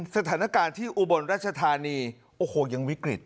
สถานการณ์ที่อุบลรัชธานีโอ้โหยังวิกฤต